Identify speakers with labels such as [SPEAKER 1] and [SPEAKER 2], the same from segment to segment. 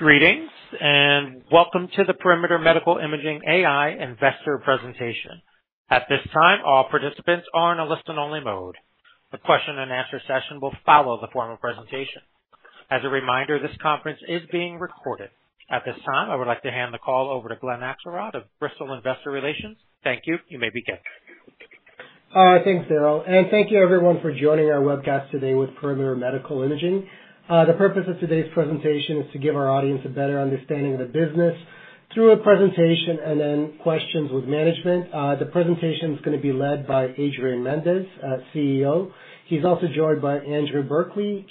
[SPEAKER 1] Greetings, and welcome to the Perimeter Medical Imaging AI investor presentation. At this time, all participants are in a listen-only mode. The question and answer session will follow the formal presentation. As a reminder, this conference is being recorded. At this time, I would like to hand the call over to Glen Akselrod of Bristol Capital. Thank you. You may begin.
[SPEAKER 2] Thanks, Darrell, and thank you everyone for joining our webcast today with Perimeter Medical Imaging. The purpose of today's presentation is to give our audience a better understanding of the business through a presentation and then questions with management. The presentation is gonna be led by Adrian Mendes, CEO. He's also joined by Andrew Berkeley,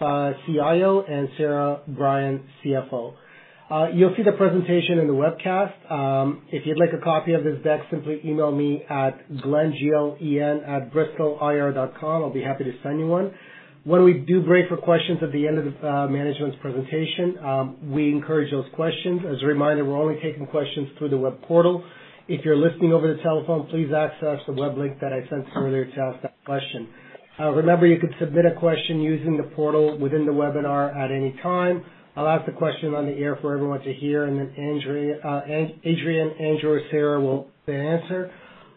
[SPEAKER 2] Co-Founder, and Sarah Brien, CFO. You'll see the presentation in the webcast. If you'd like a copy of this deck, simply email me at Glen, G-L-E-N, @bristolir.com. I'll be happy to send you one. When we do break for questions at the end of the management's presentation, we encourage those questions. As a reminder, we're only taking questions through the web portal. If you're listening over the telephone, please access the web link that I sent earlier to ask that question. Remember, you can submit a question using the portal within the webinar at any time. I'll ask the question on the air for everyone to hear, and then Adrian, Andrew, or Sarah will answer.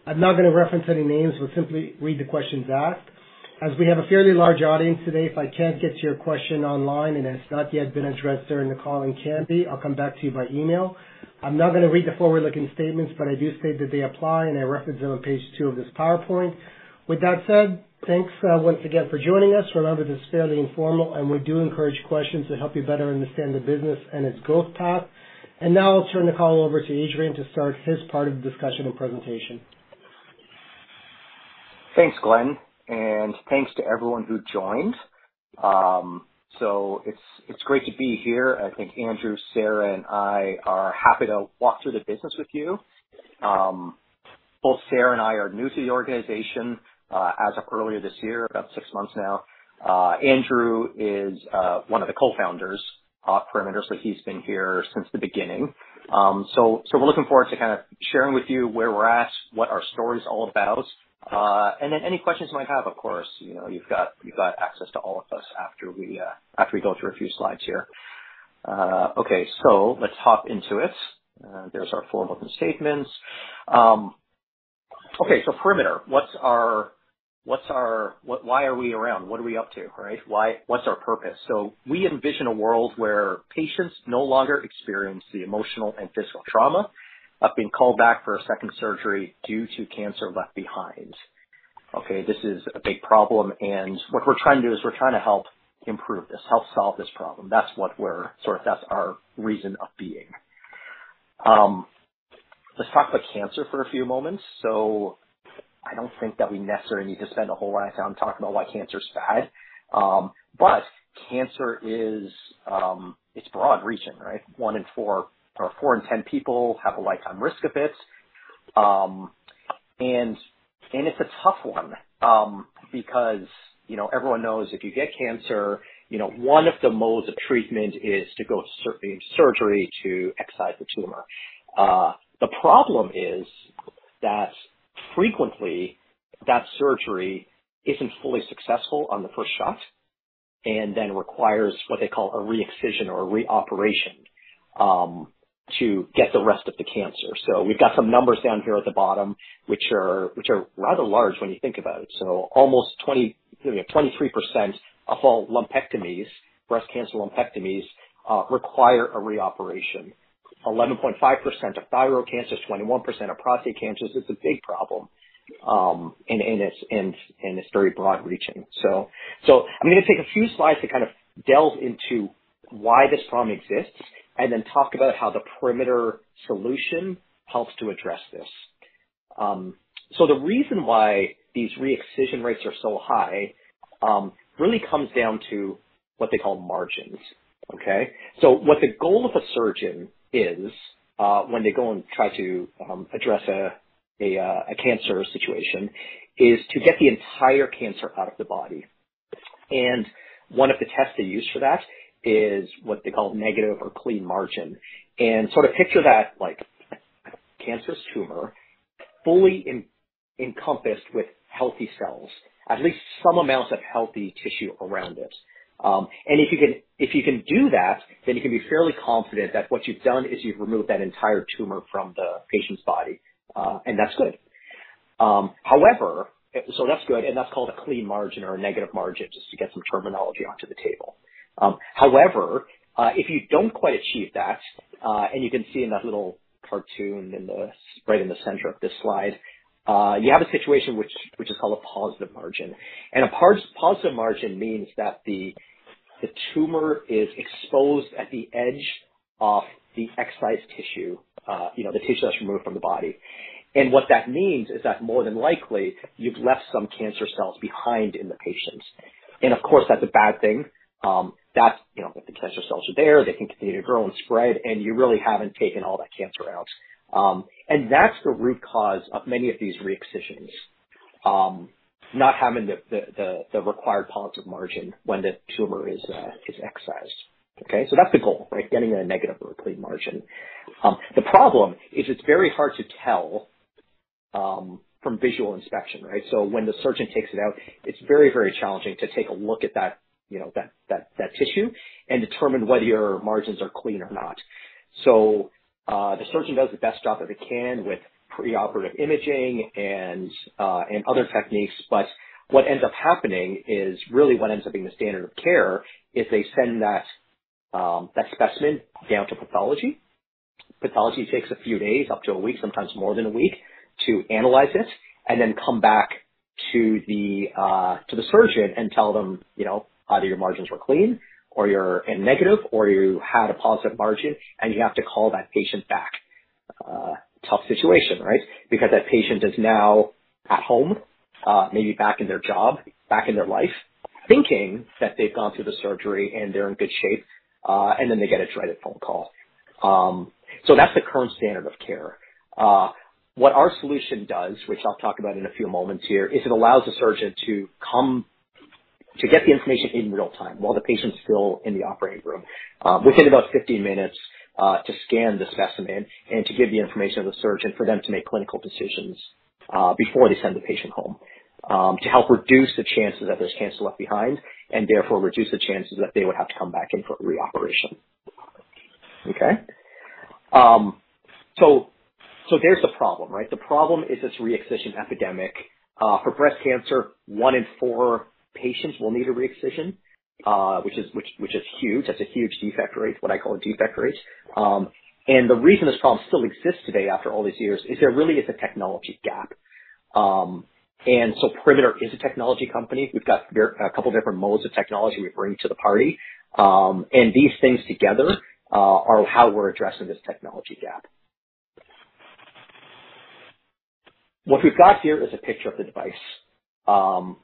[SPEAKER 2] I'm not gonna reference any names. We'll simply read the questions asked. As we have a fairly large audience today, if I can't get to your question online and it's not yet been addressed during the call and can be, I'll come back to you by email. I'm not gonna read the forward-looking statements, but I do state that they apply, and I reference them on page two of this PowerPoint. With that said, thanks, once again for joining us. Remember, this is fairly informal, and we do encourage questions to help you better understand the business and its growth path. Now I'll turn the call over to Adrian to start his part of the discussion and presentation.
[SPEAKER 3] Thanks, Glen, and thanks to everyone who joined. So it's, it's great to be here. I think Andrew, Sarah, and I are happy to walk through the business with you. Both Sarah and I are new to the organization, as of earlier this year, about six months now. Andrew is one of the co-founders of Perimeter, so he's been here since the beginning. So we're looking forward to kind of sharing with you where we're at, what our story's all about, and then any questions you might have, of course, you know, you've got, you've got access to all of us after we, after we go through a few slides here. Okay, so let's hop into it. There's our forward-looking statements. Okay, so Perimeter, what's our -- what's our... Why are we around? What are we up to, right? Why, what's our purpose? So we envision a world where patients no longer experience the emotional and physical trauma of being called back for a second surgery due to cancer left behind. Okay, this is a big problem, and what we're trying to do is we're trying to help improve this, help solve this problem. That's what we're, sort of, that's our reason of being. Let's talk about cancer for a few moments. So I don't think that we necessarily need to spend a whole lot of time talking about why cancer's bad. But cancer is, it's broad reaching, right? One in four or four in ten people have a lifetime risk of it. It's a tough one, because, you know, everyone knows if you get cancer, you know, one of the modes of treatment is to go to surgery to excise the tumor. The problem is that frequently, that surgery isn't fully successful on the first shot and then requires what they call a re-excision or a reoperation to get the rest of the cancer. So we've got some numbers down here at the bottom, which are rather large when you think about it. So almost 20, you know, 23% of all lumpectomies, breast cancer lumpectomies, require a reoperation. 11.5% of thyroid cancers, 21% of prostate cancers. It's a big problem, and it's very broad reaching. So, I'm gonna take a few slides to kind of delve into why this problem exists and then talk about how the Perimeter solution helps to address this. So the reason why these re-excision rates are so high really comes down to what they call margins, okay? So what the goal of a surgeon is, when they go and try to address a cancer situation, is to get the entire cancer out of the body. And one of the tests they use for that is what they call negative or clean margin. And so to picture that, like, a cancerous tumor fully encompassed with healthy cells, at least some amounts of healthy tissue around it. And if you can do that, then you can be fairly confident that what you've done is you've removed that entire tumor from the patient's body, and that's good. However, so that's good, and that's called a clean margin or a negative margin, just to get some terminology onto the table. However, if you don't quite achieve that, and you can see in that little cartoon right in the center of this slide, you have a situation which is called a positive margin. And a positive margin means that the tumor is exposed at the edge of the excised tissue, you know, the tissue that's removed from the body. And what that means is that more than likely, you've left some cancer cells behind in the patient's. And of course, that's a bad thing. That's, you know, if the cancer cells are there, they can continue to grow and spread, and you really haven't taken all that cancer out. And that's the root cause of many of these re-excisions, not having the required positive margin when the tumor is excised. Okay, so that's the goal, right? Getting a negative or a clean margin. The problem is it's very hard to tell from visual inspection, right? So when the surgeon takes it out, it's very, very challenging to take a look at that, you know, that tissue and determine whether your margins are clean or not. So, the surgeon does the best job that they can with preoperative imaging and other techniques. But what ends up happening is really what ends up being the standard of care, is they send that specimen down to pathology. Pathology takes a few days, up to a week, sometimes more than a week, to analyze it and then come back to the surgeon and tell them, you know, either your margins were clean or you're in negative, or you had a positive margin, and you have to call that patient back. Tough situation, right? Because that patient is now at home, maybe back in their job, back in their life, thinking that they've gone through the surgery and they're in good shape, and then they get a dreaded phone call. So that's the current standard of care. What our solution does, which I'll talk about in a few moments here, is it allows the surgeon to get the information in real time while the patient's still in the operating room, within about 15 minutes, to scan the specimen and to give the information to the surgeon for them to make clinical decisions before they send the patient home, to help reduce the chances that there's cancer left behind, and therefore reduce the chances that they would have to come back in for a reoperation. Okay? So there's the problem, right? The problem is this re-excision epidemic. For breast cancer, one in four patients will need a re-excision, which is huge. That's a huge defect rate, what I call a def ect rate. And the reason this problem still exists today, after all these years, is there really is a technology gap. And so Perimeter is a technology company. We've got a couple different modes of technology we bring to the party. And these things together are how we're addressing this technology gap. What we've got here is a picture of the device.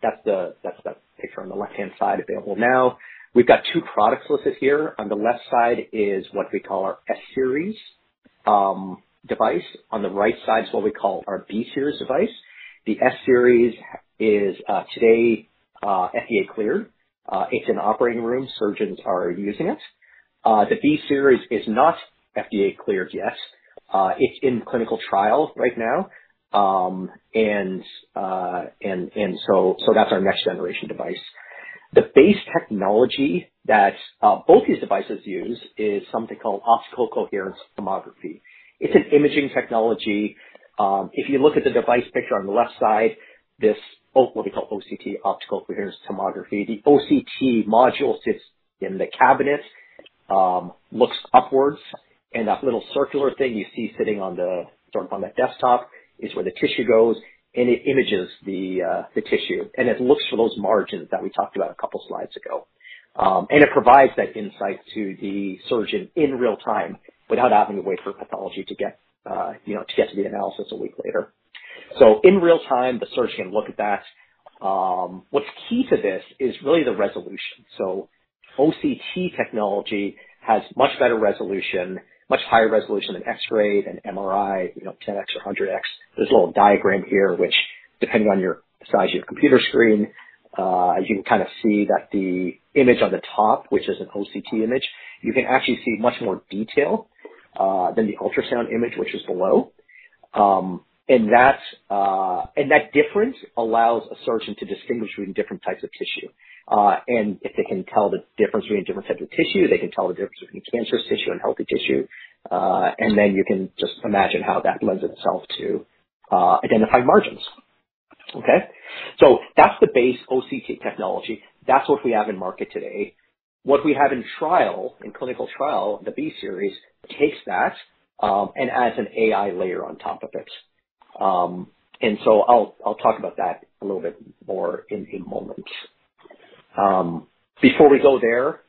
[SPEAKER 3] That's that picture on the left-hand side available now. We've got two products listed here. On the left side is what we call our S-Series device. On the right side is what we call our B-Series device. The S-Series is today FDA cleared. It's in operating rooms. Surgeons are using it. The B-Series is not FDA cleared yet. It's in clinical trial right now. That's our next generation device. The base technology that both these devices use is something called optical coherence tomography. It's an imaging technology. If you look at the device picture on the left side, this OCT, what we call OCT, optical coherence tomography. The OCT module sits in the cabinet, looks upwards, and that little circular thing you see sitting on that desktop is where the tissue goes, and it images the tissue, and it looks for those margins that we talked about a couple slides ago. It provides that insight to the surgeon in real time, without having to wait for pathology to get, you know, to get to the analysis a week later. So in real time, the surgeon can look at that. What's key to this is really the resolution. So OCT technology has much better resolution, much higher resolution than X-ray than MRI, you know, 10x or 100x. There's a little diagram here, which, depending on your size of your computer screen, you can kind of see that the image on the top, which is an OCT image, you can actually see much more detail than the ultrasound image, which is below. And that's and that difference allows a surgeon to distinguish between different types of tissue. And if they can tell the difference between different types of tissue, they can tell the difference between cancerous tissue and healthy tissue, and then you can just imagine how that lends itself to identifying margins. Okay? So that's the base OCT technology. That's what we have in market today. What we have in trial, in clinical trial, the B-Series, takes that, and adds an AI layer on top of it. And so I'll, I'll talk about that a little bit more in a moment. Before we go there,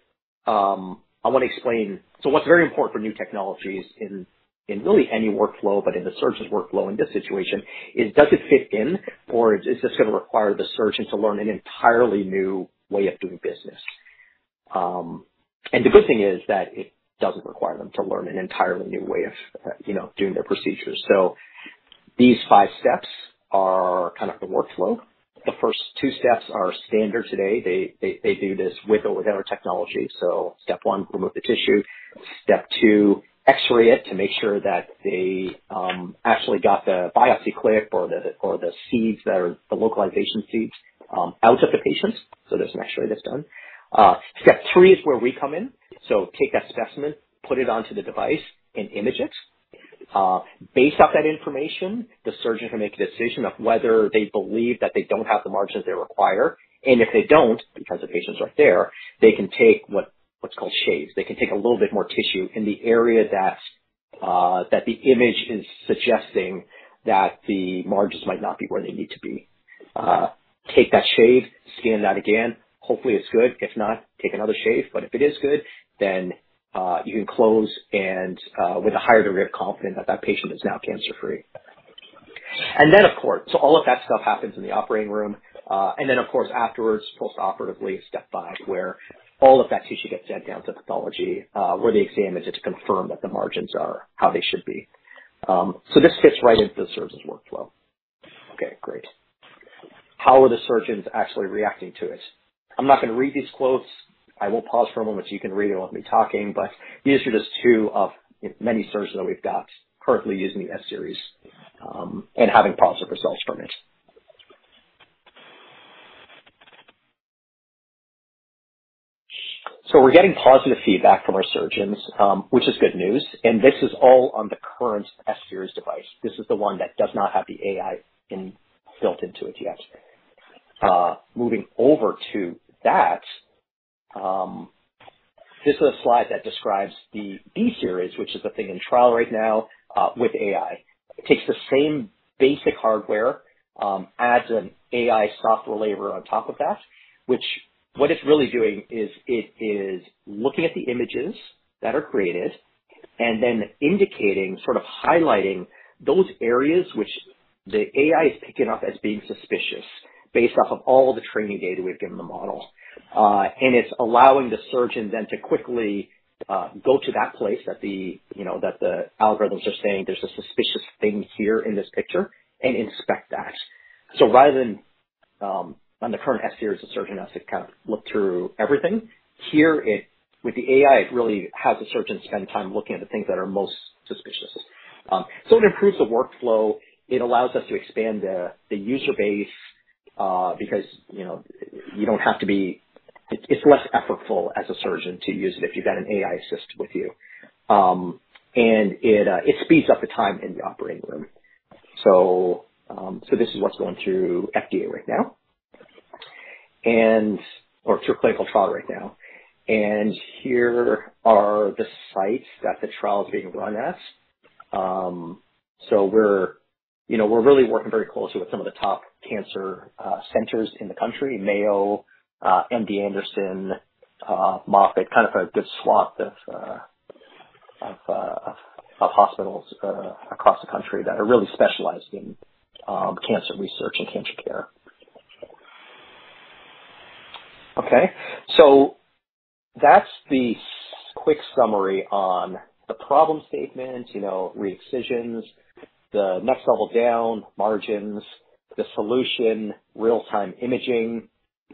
[SPEAKER 3] I want to explain... So what's very important for new technologies in really any workflow, but in the surgeon's workflow in this situation, is does it fit in or is this going to require the surgeon to learn an entirely new way of doing business? And the good thing is that it doesn't require them to learn an entirely new way of, you know, doing their procedures. So these five steps are kind of the workflow. The first two steps are standard today. They do this with or without our technology. So step one, remove the tissue. Step two, X-ray it to make sure that they actually got the biopsy clip or the seeds that are the localization seeds out of the patients. So there's an X-ray that's done. Step three is where we come in. So take that specimen, put it onto the device and image it. Based off that information, the surgeon can make a decision of whether they believe that they don't have the margins they require. And if they don't, because the patient's right there, they can take what's called shaves. They can take a little bit more tissue in the area that the image is suggesting that the margins might not be where they need to be. Take that shave, scan that again. Hopefully, it's good. If not, take another shave, but if it is good, then you can close and with a higher degree of confidence that that patient is now cancer-free. And then, of course, so all of that stuff happens in the operating room. And then, of course, afterwards, post-operatively, step five, where all of that tissue gets sent down to pathology, where they examine it to confirm that the margins are how they should be. So this fits right into the surgeon's workflow. Okay, great. How are the surgeons actually reacting to it? I'm not going to read these quotes. I will pause for a moment so you can read it without me talking, but these are just two of many surgeons that we've got currently using the S-Series and having positive results from it. So we're getting positive feedback from our surgeons, which is good news, and this is all on the current S-Series device. This is the one that does not have the AI in-built into it yet. Moving over to that, this is a slide that describes the B-Series, which is the thing in trial right now, with AI. It takes the same basic hardware, adds an AI software layer on top of that, which what it's really doing is it is looking at the images that are created and then indicating, sort of highlighting those areas which the AI is picking up as being suspicious, based off of all the training data we've given the model. And it's allowing the surgeon then to quickly go to that place that the, you know, that the algorithms are saying: There's a suspicious thing here in this picture, and inspect that. So rather than on the current S-Series, the surgeon has to kind of look through everything. Here, it... With the AI, it really has the surgeon spend time looking at the things that are most suspicious. So it improves the workflow. It allows us to expand the user base because, you know, you don't have to be... It's less effortful as a surgeon to use it if you've got an AI assist with you. And it speeds up the time in the operating room. So this is what's going through FDA right now and... Or through clinical trial right now. Here are the sites that the trial is being run at. So we're, you know, we're really working very closely with some of the top cancer centers in the country, Mayo, MD Anderson, Moffitt, kind of a good swath of hospitals across the country that are really specialized in cancer research and cancer care. Okay, so that's the quick summary on the problem statement. You know, re-excisions, the next level down, margins, the solution, real-time imaging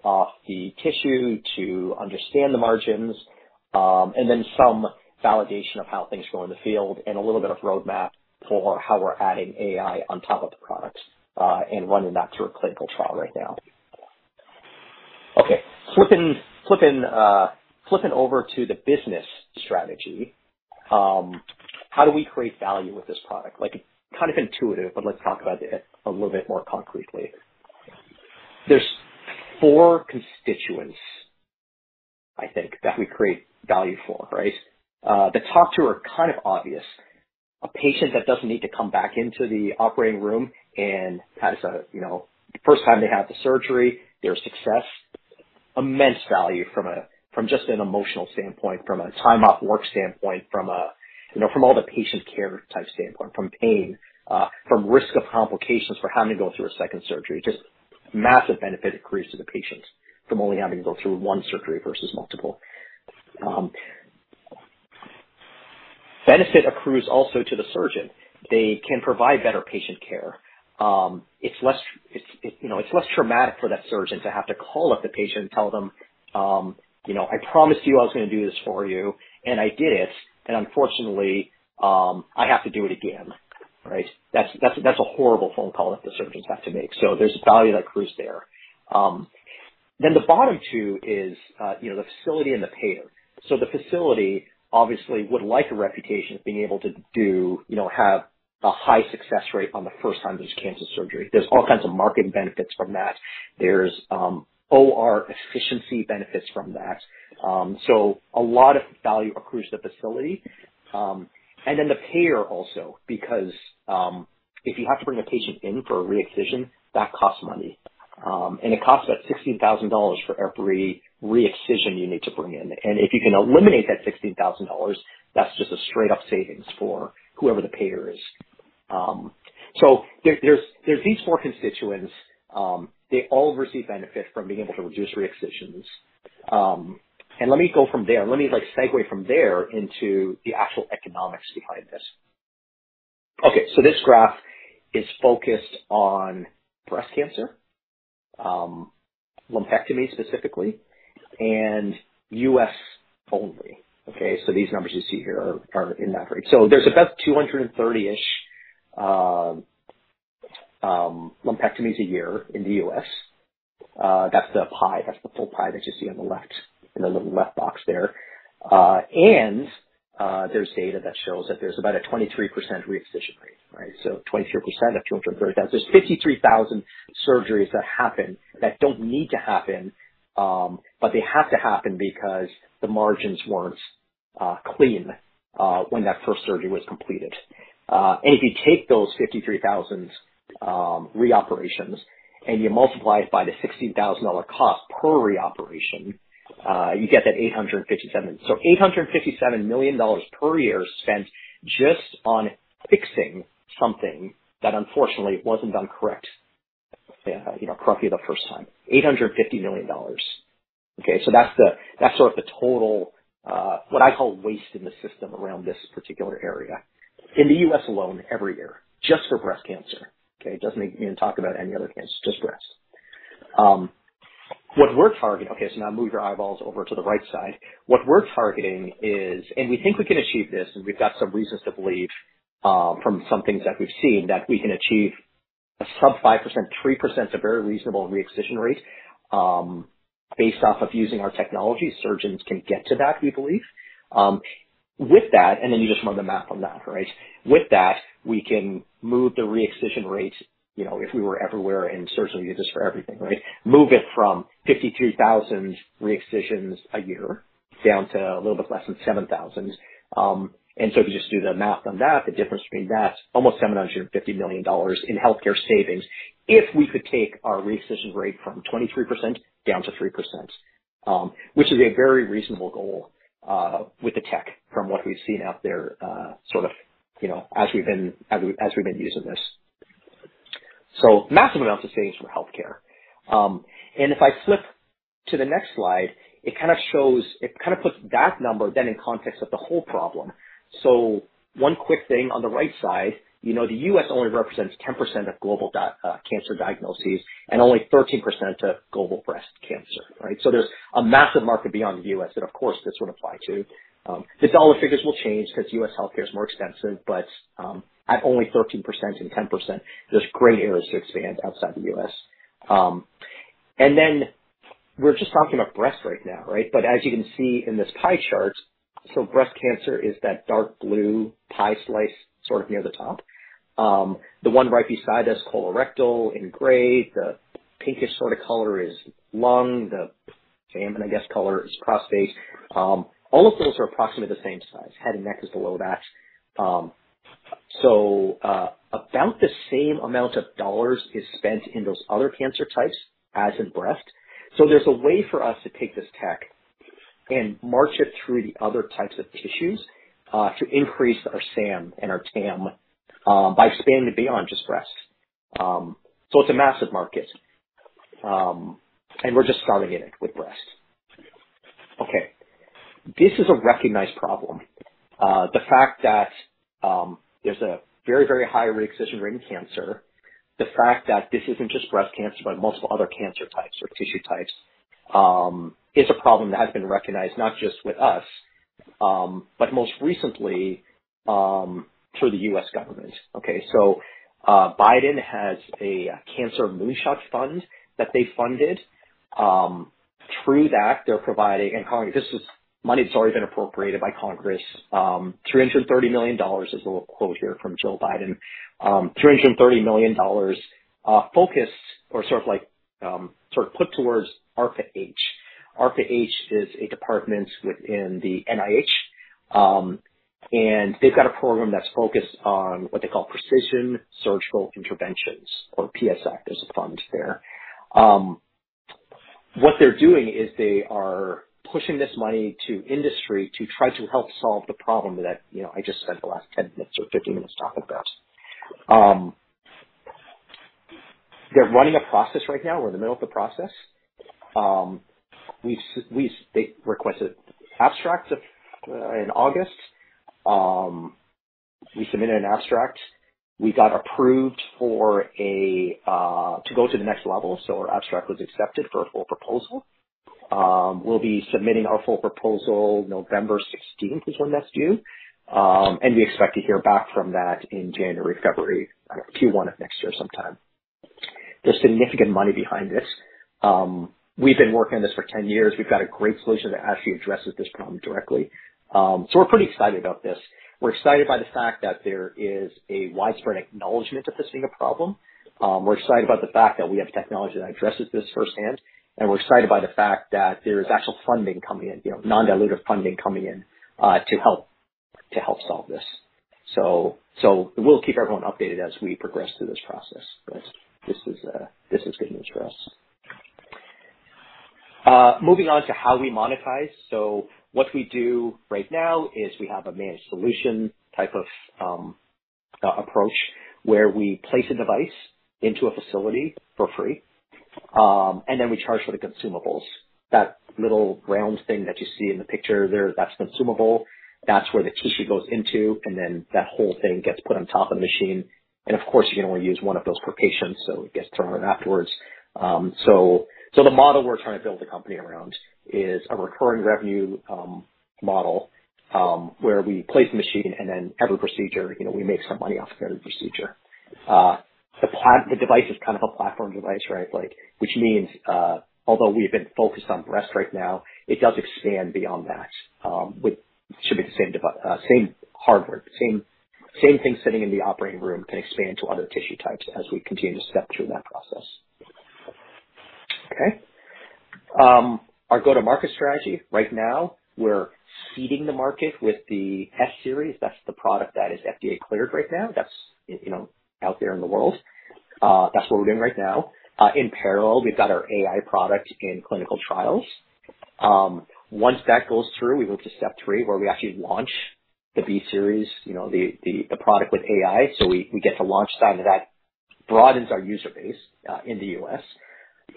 [SPEAKER 3] of the tissue to understand the margins, and then some validation of how things go in the field, and a little bit of roadmap for how we're adding AI on top of the products, and running that through a clinical trial right now. Okay, flipping over to the business strategy. How do we create value with this product? Like, kind of intuitive, but let's talk about it a little bit more concretely. There's four constituents, I think, that we create value for, right? The top two are kind of obvious. A patient that doesn't need to come back into the operating room and has a, you know, the first time they have the surgery, they're a success, immense value from a, from just an emotional standpoint, from a time off work standpoint, from a, you know, from all the patient care type standpoint, from pain, from risk of complications, from having to go through a second surgery. Just massive benefit accrues to the patient from only having to go through one surgery versus multiple. Benefit accrues also to the surgeon. They can provide better patient care. It's less, you know, it's less traumatic for that surgeon to have to call up the patient and tell them, you know, "I promised you I was going to do this for you, and I did it, and unfortunately, I have to do it again." Right? That's a horrible phone call that the surgeons have to make. So there's a value that accrues there. Then the bottom two is, you know, the facility and the payer. So the facility obviously would like a reputation of being able to do, you know, have a high success rate on the first time there's cancer surgery. There's all kinds of marketing benefits from that. There's OR efficiency benefits from that. So a lot of value accrues to the facility. And then the payer also, because, if you have to bring a patient in for a re-excision, that costs money. And it costs about $16,000 for every re-excision you need to bring in. And if you can eliminate that $16,000, that's just a straight up savings for whoever the payer is. So there're these four constituents. They all receive benefit from being able to reduce re-excisions. And let me go from there. Let me, like, segue from there into the actual economics behind this. Okay, so this graph is focused on breast cancer, lumpectomy specifically, and U.S. only. Okay, so these numbers you see here are in that range. So there's about 230-ish lumpectomies a year in the U.S. That's the pie, that's the full pie that you see on the left, in the little left box there. There's data that shows that there's about a 23% re-excision rate, right? So 23% of 230,000. There's 53,000 surgeries that happen that don't need to happen, but they have to happen because the margins weren't clean when that first surgery was completed. If you take those 53,000 reoperations and you multiply it by the $16,000 cost per reoperation, you get that 857. So $857 million per year spent just on fixing something that unfortunately wasn't done correct, you know, correctly the first time. $850 million dollars.... Okay, so that's the, that's sort of the total, what I call waste in the system around this particular area, in the U.S. alone every year, just for breast cancer. Okay? Doesn't even talk about any other cancer, just breast. What we're targeting. Okay, so now move your eyeballs over to the right side. What we're targeting is, and we think we can achieve this, and we've got some reasons to believe, from some things that we've seen, that we can achieve a sub-5%, 3%'s a very reasonable re-excision rate, based off of using our technology. Surgeons can get to that, we believe. With that, and then you just run the math on that, right? With that, we can move the re-excision rate, you know, if we were everywhere in surgical units for everything, right? Move it from 53,000 re-excisions a year, down to a little bit less than 7,000. And so if you just do the math on that, the difference between that, almost $750 million in healthcare savings, if we could take our re-excision rate from 23% down to 3%, which is a very reasonable goal, with the tech from what we've seen out there, sort of, you know, as we've been using this. So massive amounts of savings for healthcare. And if I flip to the next slide, it kind of shows... It kind of puts that number then in context of the whole problem. So one quick thing on the right side, you know, the U.S. only represents 10% of global cancer diagnoses and only 13% of global breast cancer, right? So there's a massive market beyond the U.S. that of course, this would apply to. The dollar figures will change because U.S. healthcare is more expensive, but, at only 13% and 10%, there's great areas to expand outside the U.S. And then we're just talking about breast right now, right? But as you can see in this pie chart, so breast cancer is that dark blue pie slice, sort of near the top. The one right beside is colorectal in gray. The pinkish sort of color is lung. The salmon, I guess color is prostate. All of those are approximately the same size. Head and neck is below that. So, about the same amount of dollars is spent in those other cancer types as in breast. So there's a way for us to take this tech and march it through the other types of tissues, to increase our SAM and our TAM, by expanding beyond just breast. So it's a massive market, and we're just starting in it with breast. Okay, this is a recognized problem. The fact that, there's a very, very high re-excision rate in cancer, the fact that this isn't just breast cancer, but most other cancer types or tissue types, is a problem that has been recognized not just with us, but most recently, through the U.S. government. Okay. So, Biden has a Cancer Moonshot fund that they funded. Through that, they're providing, and Congress, this is money that's already been appropriated by Congress. $330 million is a little quote here from Jill Biden. $330 million, focused or sort of like, sort of put towards ARPA-H. ARPA-H is a department within the NIH, and they've got a program that's focused on what they call Precision Surgical Interventions or PSI. There's a fund there. What they're doing is they are pushing this money to industry to try to help solve the problem that, you know, I just spent the last 10 minutes or 15 minutes talking about. They're running a process right now. We're in the middle of the process. They requested abstracts in August. We submitted an abstract. We got approved for a to go to the next level, so our abstract was accepted for a full proposal. We'll be submitting our full proposal November sixteenth, is when that's due, and we expect to hear back from that in January, February, Q1 of next year sometime. There's significant money behind this. We've been working on this for 10 years. We've got a great solution that actually addresses this problem directly. So we're pretty excited about this. We're excited by the fact that there is a widespread acknowledgment of this being a problem. We're excited about the fact that we have technology that addresses this firsthand, and we're excited by the fact that there's actual funding coming in, you know, non-dilutive funding coming in, to help, to help solve this. So, so we'll keep everyone updated as we progress through this process. But this is, this is good news for us. Moving on to how we monetize. So what we do right now is we have a managed solution type of approach, where we place a device into a facility for free, and then we charge for the consumables. That little round thing that you see in the picture there, that's consumable, that's where the tissue goes into, and then that whole thing gets put on top of the machine. And of course, you can only use one of those per patient, so it gets thrown out afterwards. So the model we're trying to build the company around is a recurring revenue model, where we place the machine, and then every procedure, you know, we make some money off of every procedure. The device is kind of a platform device, right? Like, which means, although we've been focused on breast right now, it does expand beyond that. Which should be the same hardware, same, same thing sitting in the operating room can expand to other tissue types as we continue to step through that process. Okay. Our go-to-market strategy. Right now, we're seeding the market with the S-Series. That's the product that is FDA cleared right now. That's, you know, out there in the world. In parallel, we've got our AI product in clinical trials. Once that goes through, we move to step three, where we actually launch the B-Series, you know, the, the, the product with AI. So we, we get to launch side of that-... Broadens our user base in the US.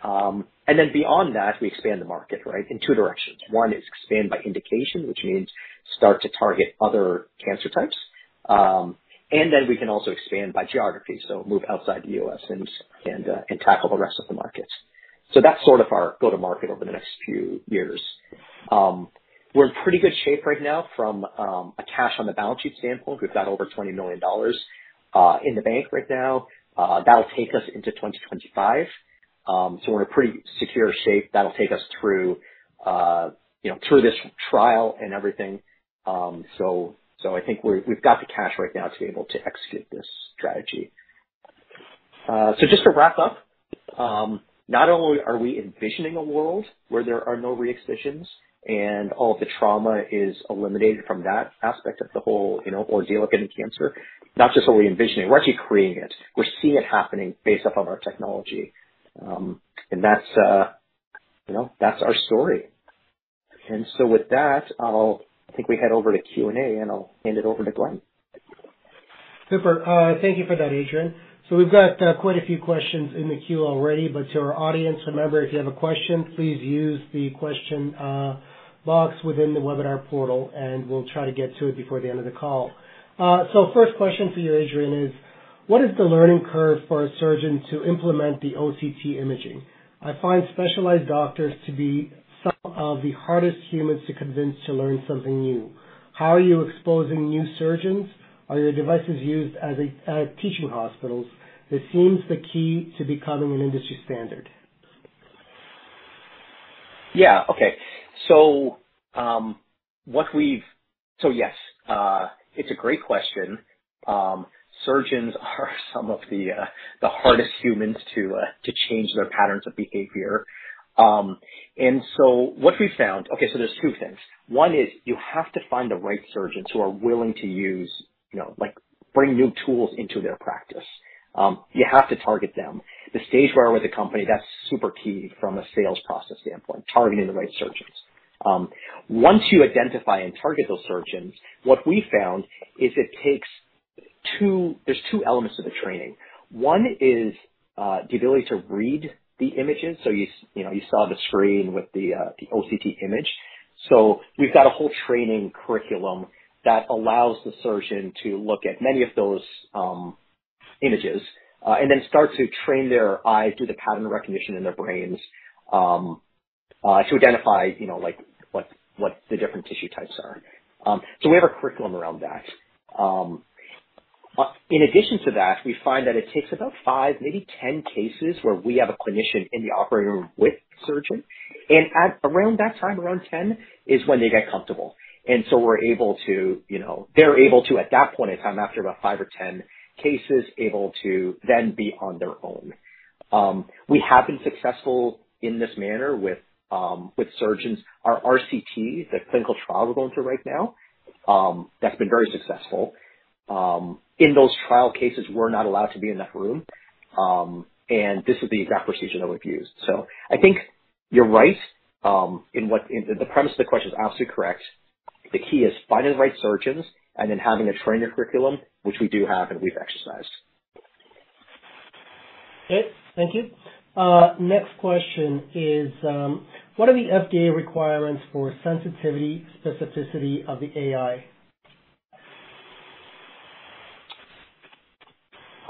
[SPEAKER 3] And then beyond that, we expand the market, right? In two directions. One is expand by indication, which means start to target other cancer types. And then we can also expand by geography, so move outside the US and tackle the rest of the markets. So that's sort of our go-to market over the next few years. We're in pretty good shape right now from a cash on the balance sheet standpoint. We've got over $20 million in the bank right now. That'll take us into 2025. So we're in a pretty secure shape that'll take us through, you know, through this trial and everything. So I think we've got the cash right now to be able to execute this strategy. So just to wrap up, not only are we envisioning a world where there are no re-excisions and all of the trauma is eliminated from that aspect of the whole, you know, ordeal of getting cancer, not just are we envisioning, we're actually creating it. We're seeing it happening based off of our technology. And that's, you know, that's our story. And so with that, I'll... I think we head over to Q&A, and I'll hand it over to Glen.
[SPEAKER 2] Super. Thank you for that, Adrian. So we've got quite a few questions in the queue already, but to our audience, remember, if you have a question, please use the question box within the webinar portal, and we'll try to get to it before the end of the call. So first question for you, Adrian, is: What is the learning curve for a surgeon to implement the OCT imaging? I find specialized doctors to be some of the hardest humans to convince to learn something new. How are you exposing new surgeons? Are your devices used as a teaching hospitals? This seems the key to becoming an industry standard.
[SPEAKER 3] Yeah. Okay. So, what we've-- So, yes, it's a great question. Surgeons are some of the, the hardest humans to, to change their patterns of behavior. And so what we've found... Okay, so there's two things. One is you have to find the right surgeons who are willing to use, you know, like, bring new tools into their practice. You have to target them. The stage where we're with the company, that's super key from a sales process standpoint, targeting the right surgeons. Once you identify and target those surgeons, what we found is it takes two... There's two elements to the training. One is, the ability to read the images. So you s- you know, you saw the screen with the, the OCT image. We've got a whole training curriculum that allows the surgeon to look at many of those images, and then start to train their eyes, do the pattern recognition in their brains, to identify, you know, like, what, what the different tissue types are. We have a curriculum around that. In addition to that, we find that it takes about 5, maybe 10 cases, where we have a clinician in the operating room with the surgeon, and at around that time, around 10, is when they get comfortable. So we're able to, you know, they're able to, at that point in time, after about 5 or 10 cases, able to then be on their own. We have been successful in this manner with, with surgeons. Our RCT, the clinical trial we're going through right now, that's been very successful. In those trial cases, we're not allowed to be in that room, and this is the exact procedure that we've used. So I think you're right. The premise of the question is absolutely correct. The key is finding the right surgeons and then having a trainer curriculum, which we do have and we've exercised.
[SPEAKER 2] Okay, thank you. Next question is: What are the FDA requirements for sensitivity, specificity of the AI?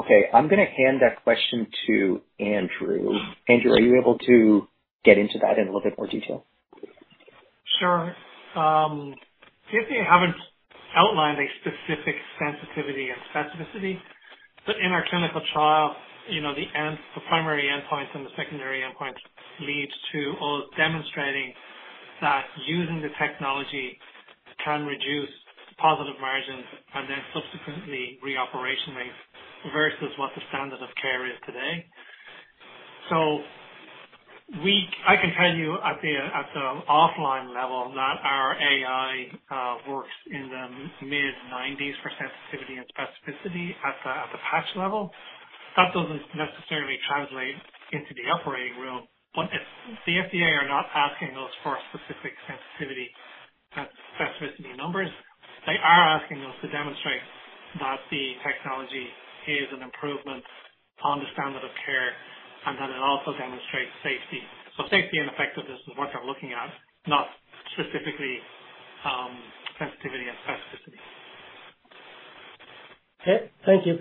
[SPEAKER 3] Okay, I'm gonna hand that question to Andrew. Andrew, are you able to get into that in a little bit more detail?
[SPEAKER 4] Sure. The FDA haven't outlined a specific sensitivity and specificity, but in our clinical trial, you know, the primary endpoints and the secondary endpoints lead to or demonstrating that using the technology can reduce positive margins and then subsequently reoperation rates versus what the standard of care is today. So we... I can tell you at the offline level, that our AI works in the mid-90s for sensitivity and specificity at the patch level. That doesn't necessarily translate into the operating room, but it's, the FDA are not asking us for specific sensitivity and specificity numbers. They are asking us to demonstrate that the technology is an improvement on the standard of care, and that it also demonstrates safety. So safety and effectiveness is what they're looking at, not specifically sensitivity and specificity.
[SPEAKER 2] Okay, thank you.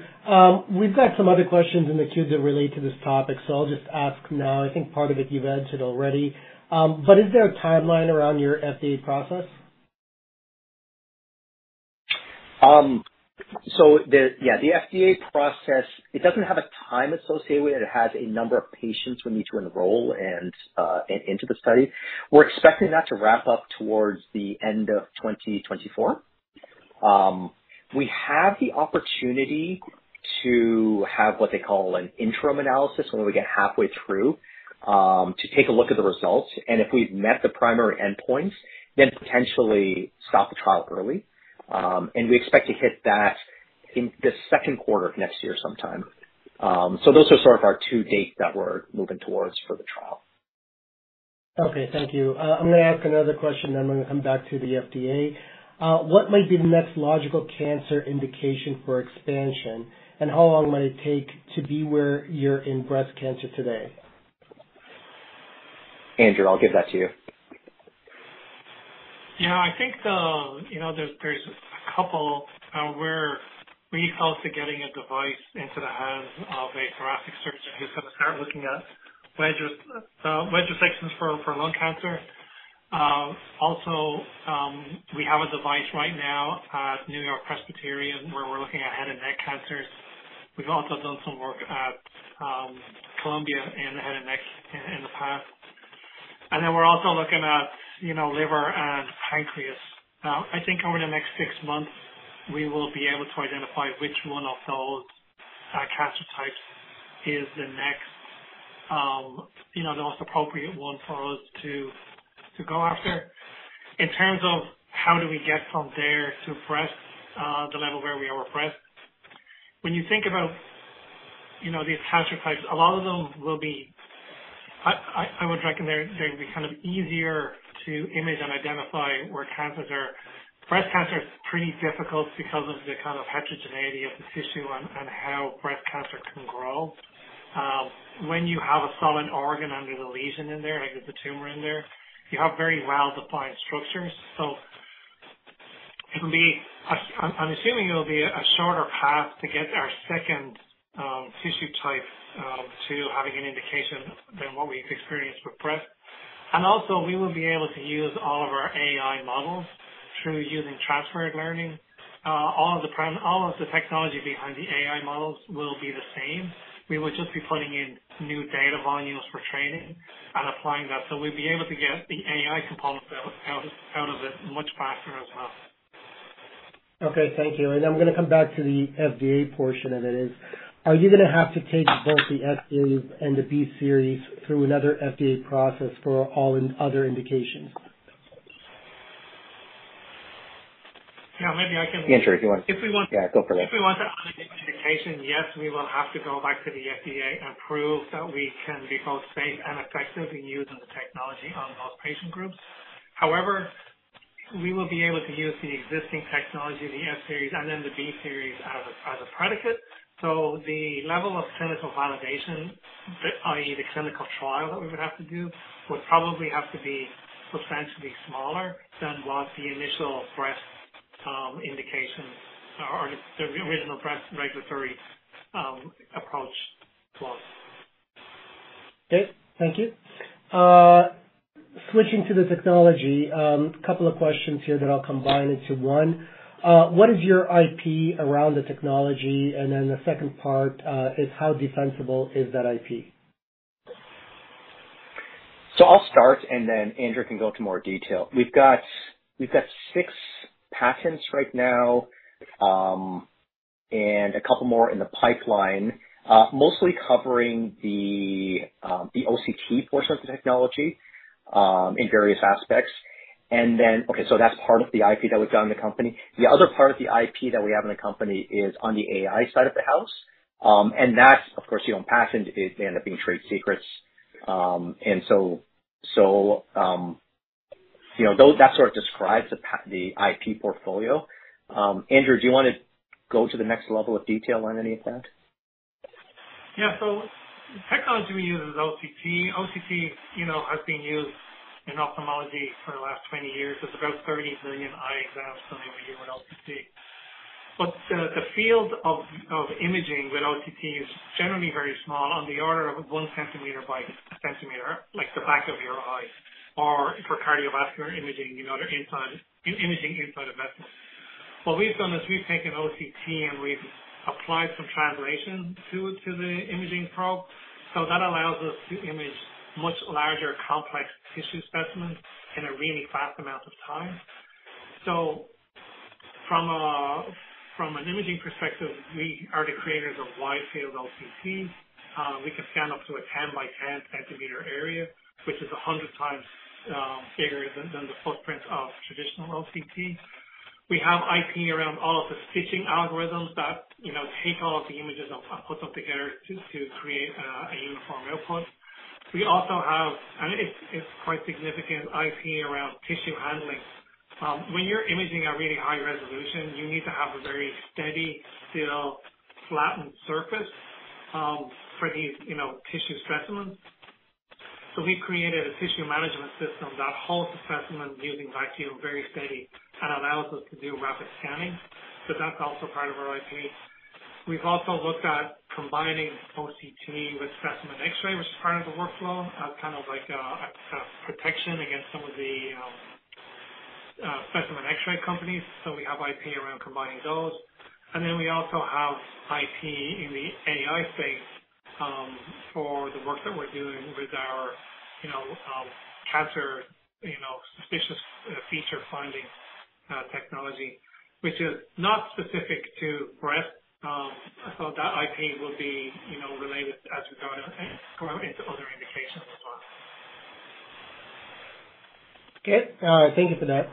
[SPEAKER 2] We've got some other questions in the queue that relate to this topic, so I'll just ask now. I think part of it you've answered already, but is there a timeline around your FDA process?
[SPEAKER 3] So, yeah, the FDA process doesn't have a time associated with it. It has a number of patients we need to enroll and into the study. We're expecting that to wrap up towards the end of 2024. We have the opportunity to have what they call an interim analysis when we get halfway through, to take a look at the results, and if we've met the primary endpoints, then potentially stop the trial early. And we expect to hit that in the Q2 of next year sometime. So those are sort of our two dates that we're moving towards for the trial....
[SPEAKER 2] Okay, thank you. I'm gonna ask another question, then I'm gonna come back to the FDA. What might be the next logical cancer indication for expansion? And how long might it take to be where you're in breast cancer today?
[SPEAKER 3] Andrew, I'll give that to you.
[SPEAKER 4] Yeah, I think, you know, there's, there's a couple, where we felt to getting a device into the hands of a thoracic surgeon who's gonna start looking at wedge, wedge resections for, for lung cancer. Also, we have a device right now at New York-Presbyterian, where we're looking at head and neck cancers. We've also done some work at, Columbia University in the head and neck in, in the past. And then we're also looking at, you know, liver and pancreas. I think over the next six months, we will be able to identify which one of those, cancer types is the next, you know, the most appropriate one for us to, to go after. In terms of how do we get from there to breast, the level where we are with breast. When you think about, you know, these cancer types, a lot of them will be... I would reckon they're gonna be kind of easier to image and identify where cancers are. Breast cancer is pretty difficult because of the kind of heterogeneity of the tissue and how breast cancer can grow. When you have a solid organ under the lesion in there, like the tumor in there, you have very well-defined structures. So it can be... I'm assuming it'll be a shorter path to get our second tissue type to having an indication than what we've experienced with breast. And also, we will be able to use all of our AI models through using transfer learning. All of the technology behind the AI models will be the same. We will just be putting in new data volumes for training and applying that. We'll be able to get the AI component out of it much faster as well.
[SPEAKER 2] Okay, thank you. I'm gonna come back to the FDA portion of it: are you gonna have to take both the S-Series and the B-Series through another FDA process for all in other indications?
[SPEAKER 4] Yeah, maybe I can-
[SPEAKER 3] Andrew, if you want-
[SPEAKER 4] If we want-
[SPEAKER 3] Yeah, go for it.
[SPEAKER 4] If we want to add an indication, yes, we will have to go back to the FDA and prove that we can be both safe and effective in using the technology on those patient groups. However, we will be able to use the existing technology, the S-Series and then the B-Series as a predicate. So the level of clinical validation, that i.e., the clinical trial that we would have to do, would probably have to be substantially smaller than what the initial breast indications or the original breast regulatory approach was.
[SPEAKER 2] Okay, thank you. Switching to the technology, a couple of questions here that I'll combine into one. What is your IP around the technology? And then the second part, is how defensible is that IP?
[SPEAKER 3] So I'll start, and then Andrew can go into more detail. We've got six patents right now, and a couple more in the pipeline, mostly covering the OCT portion of the technology in various aspects. And then... Okay, so that's part of the IP that we've got in the company. The other part of the IP that we have in the company is on the AI side of the house. And that's of course, you know, patent, it end up being trade secrets. And so, you know, those, that sort of describes the IP portfolio. Andrew, do you want to go to the next level of detail on any of that?
[SPEAKER 4] Yeah. So the technology we use is OCT. OCT, you know, has been used in ophthalmology for the last 20 years. There's about 30 million eye exams done every year with OCT. But the field of imaging with OCT is generally very small, on the order of one centimeter by one centimeter, like the back of your eye or for cardiovascular imaging in order to image inside a vessel. What we've done is we've taken OCT, and we've applied some translation to the imaging probe. So that allows us to image much larger complex tissue specimens in a really fast amount of time. So from an imaging perspective, we are the creators of wide-field OCT. We can scan up to a 10 by 10 centimeter area, which is 100 times bigger than the footprint of traditional OCT. We have IP around all of the stitching algorithms that, you know, take all the images and put them together to create a uniform output. We also have, and it's quite significant, IP around tissue handling. When you're imaging at really high resolution, you need to have a very steady, still flattened surface, for these, you know, tissue specimens. So we created a tissue management system that holds the specimen using vacuum very steady and allows us to do rapid scanning. So that's also part of our IP. We've also looked at combining OCT with specimen X-ray, which is part of the workflow, as kind of like a protection against some of the specimen X-ray companies. So we have IP around combining those. And then we also have IP in the AI space, for the work that we're doing with our, you know, cancer, you know, suspicious, feature finding, technology, which is not specific to breast. So that IP will be, you know, related as we go into other indications as well....
[SPEAKER 2] Okay, thank you for that.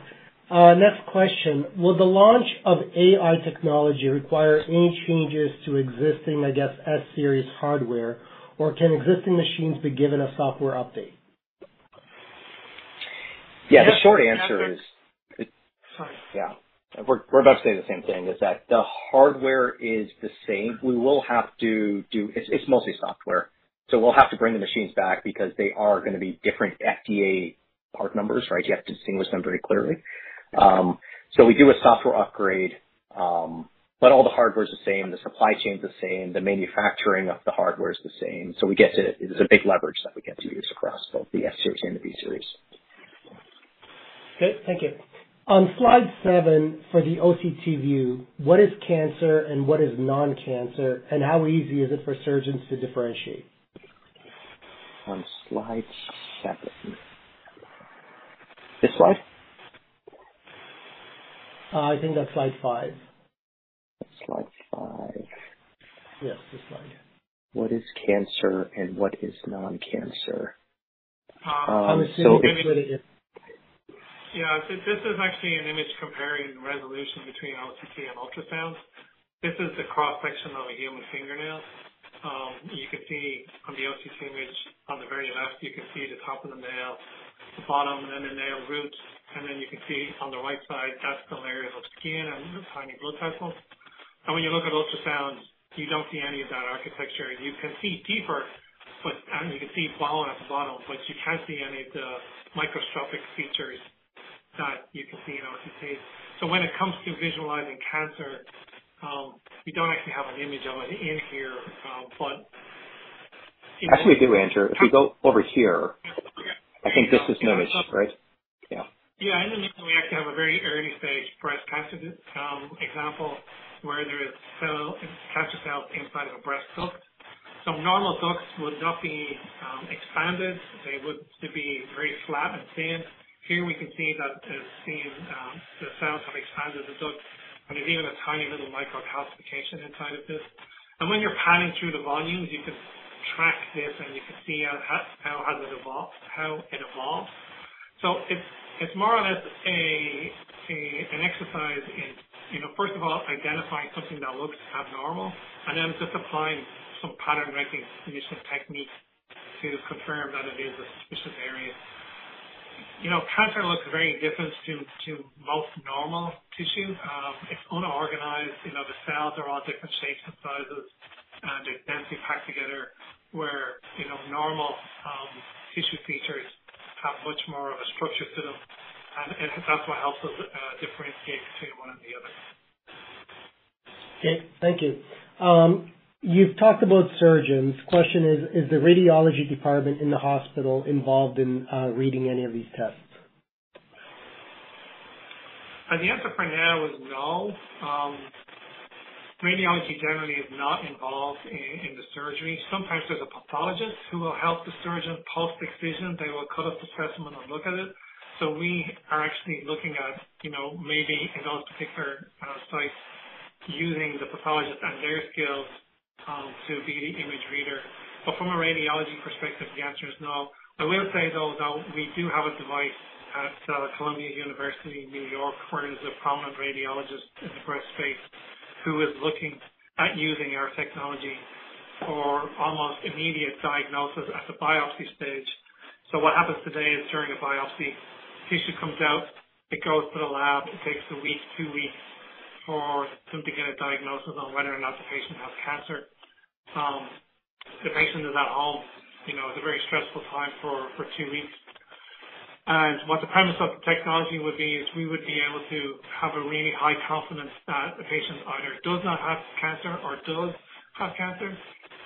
[SPEAKER 2] Next question: Will the launch of AI technology require any changes to existing, I guess, S-Series hardware, or can existing machines be given a software update?
[SPEAKER 3] Yeah, the short answer is-
[SPEAKER 4] Sorry.
[SPEAKER 3] Yeah. We're about to say the same thing, is that the hardware is the same. We will have to do... It's mostly software, so we'll have to bring the machines back because they are gonna be different FDA part numbers, right? You have to distinguish them very clearly. So we do a software upgrade, but all the hardware is the same, the supply chain is the same, the manufacturing of the hardware is the same. So we get to, it is a big leverage that we get to use across both the S-Series and the B-Series.
[SPEAKER 2] Okay, thank you. On slide seven, for the OCT view, what is cancer and what is non-cancer, and how easy is it for surgeons to differentiate?
[SPEAKER 3] On slide seven. This slide?
[SPEAKER 2] I think that's slide five.
[SPEAKER 3] Slide five.
[SPEAKER 2] Yes, this slide.
[SPEAKER 3] What is cancer and what is non-cancer?
[SPEAKER 2] Anybody, yeah.
[SPEAKER 4] Yeah. This is actually an image comparing resolution between OCT and ultrasound. This is the cross-section of a human fingernail. You can see on the OCT image, on the very left, you can see the top of the nail, bottom, and then the nail roots. Then you can see on the right side, that's the layer of skin and tiny blood vessels. When you look at ultrasounds, you don't see any of that architecture. You can see deeper, but you can see bone at the bottom, but you can't see any of the microscopic features that you can see in OCT. So when it comes to visualizing cancer, we don't actually have an image of it in here, but-
[SPEAKER 3] Actually, we do, Andrew. If we go over here, I think this is an image, right? Yeah.
[SPEAKER 4] Yeah, in the middle, we actually have a very early stage breast cancer example, where there is a cancer cell inside of a breast duct. So normal ducts would not be expanded. They would to be very flat and thin. Here we can see that the cells have expanded the duct, and there's even a tiny little microcalcification inside of this. And when you're panning through the volumes, you can track this, and you can see how it has evolved, how it evolves. So it's more or less an exercise in, you know, first of all, identifying something that looks abnormal, and then just applying some pattern recognition techniques to confirm that it is a suspicious area. You know, cancer looks very different to most normal tissue. It's unorganized. You know, the cells are all different shapes and sizes, and they're densely packed together where, you know, normal tissue features have much more of a structure to them, and that's what helps us differentiate between one and the other.
[SPEAKER 2] Okay, thank you. You've talked about surgeons. Question is, is the radiology department in the hospital involved in reading any of these tests?
[SPEAKER 4] The answer for now is no. Radiology generally is not involved in the surgery. Sometimes there's a pathologist who will help the surgeon post-excision. They will cut up the specimen and look at it. So we are actually looking at, you know, maybe in those particular sites, using the pathologist and their skills, to be the image reader. But from a radiology perspective, the answer is no. I will say, though, that we do have a device at Columbia University in New York, where there's a prominent radiologist in the breast space who is looking at using our technology for almost immediate diagnosis at the biopsy stage. So what happens today is, during a biopsy, tissue comes out, it goes to the lab. It takes a week, two weeks, for them to get a diagnosis on whether or not the patient has cancer. The patient is at home. You know, it's a very stressful time for two weeks. What the premise of the technology would be is we would be able to have a really high confidence that the patient either does not have cancer or does have cancer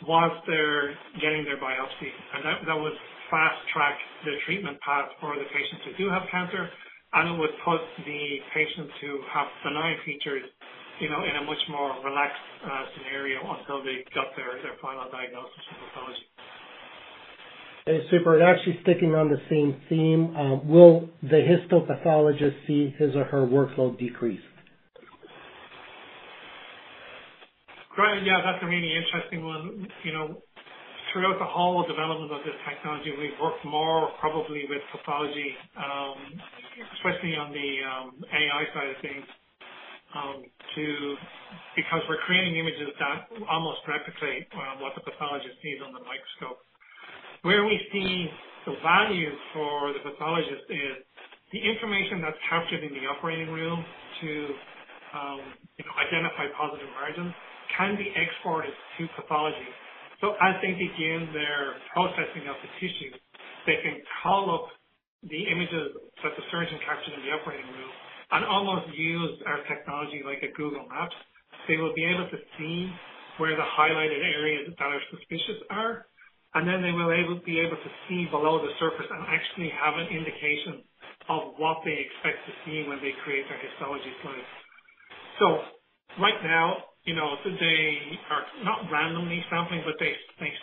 [SPEAKER 4] whilst they're getting their biopsy. And that would fast-track the treatment path for the patients who do have cancer, and it would put the patients who have benign features, you know, in a much more relaxed scenario until they've got their final diagnosis and pathology.
[SPEAKER 2] Okay, super. And actually sticking on the same theme, will the histopathologist see his or her workload decrease?
[SPEAKER 4] Great. Yeah, that's a really interesting one. You know, throughout the whole development of this technology, we've worked more probably with pathology, especially on the AI side of things. Because we're creating images that almost replicate what the pathologist sees on the microscope. Where we see the value for the pathologist is the information that's captured in the operating room to, you know, identify positive margins can be exported to pathology. So as they begin their processing of the tissue, they can call up the images that the surgeon captured in the operating room and almost use our technology like a Google Maps. They will be able to see where the highlighted areas that are suspicious are, and then they will be able to see below the surface and actually have an indication of what they expect to see when they create their histology slides. So right now, you know, they are not randomly sampling, but they